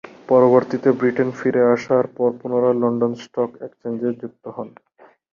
পরবর্তীতে ব্রিটেনে ফিরে আসার পর পুনরায় লন্ডন স্টক এক্সচেঞ্জে যুক্ত হন।